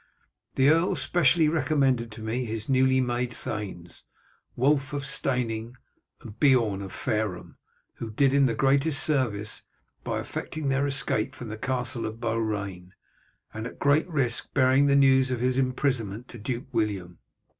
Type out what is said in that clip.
The earl specially recommended to me his newly made thanes, Wulf of Steyning and Beorn of Fareham, who did him the greatest service by effecting their escape from the castle of Beaurain, and at great risk bearing the news of his imprisonment to Duke William.